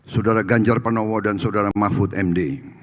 saudara ganjar pranowo dan saudara mahfud md